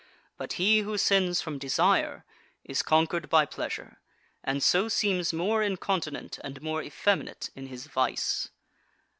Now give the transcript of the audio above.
But he who sins from desire is conquered by pleasure, and so seems more incontinent and more effeminate in his vice.